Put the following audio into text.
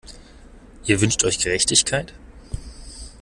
Ihr wünscht euch Gerechtigkeit?